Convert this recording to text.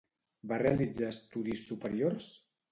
Va realitzar estudis superiors?